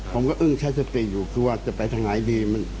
ผมก็อึ้งใช้สภิจิอยู่เครื่องว่าจะไปทางไหนดี